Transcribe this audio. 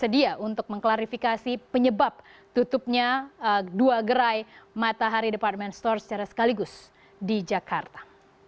tersedia untuk mengklarifikasi penyebab tutupnya dua gerai matahari department store secara sekaligus di jakarta